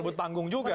perebut panggung juga